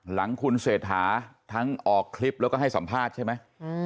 หลังคุณเศรษฐาทั้งออกคลิปแล้วก็ให้สัมภาษณ์ใช่ไหม